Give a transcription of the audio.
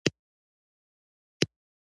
حکومت اوس د تورو کاڼو غر دی.